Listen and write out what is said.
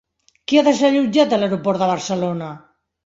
Qui ha desallotjat l'aeroport de Barcelona?